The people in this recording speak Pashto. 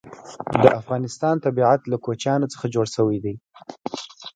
د افغانستان طبیعت له کوچیان څخه جوړ شوی دی.